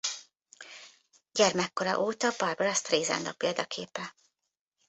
Gyermekkora óta Barbra Streisand a példaképe.